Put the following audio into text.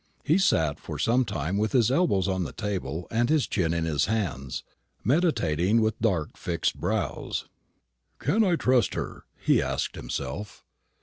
He sat for some time with his elbows on the table, and his chin in his hands, meditating with dark fixed brows. "Can I trust her?" he asked himself.